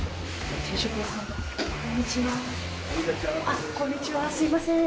あっこんにちはすいません。